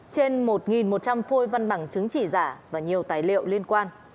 trên một một trăm linh phôi văn bằng chứng chỉ giả và nhiều tài liệu liên quan